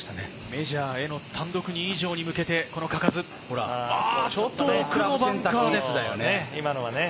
メジャーでの単独２位以上に向けて嘉数、奥のバンカーです。